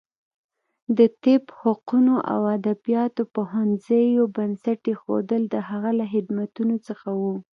د طب، حقوقو او ادبیاتو پوهنځیو بنسټ ایښودل د هغه له خدمتونو څخه و.